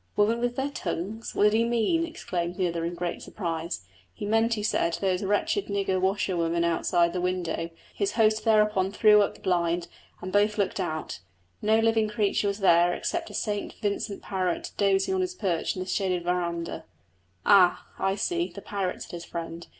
Women with their tongues! What did he mean? exclaimed the other in great surprise. He meant, he said, those wretched nigger washerwomen outside the window. His host thereupon threw up the blind and both looked out: no living creature was there except a St Vincent parrot dozing on his perch in the shaded verandah. "Ah, I see, the parrot!" said his friend.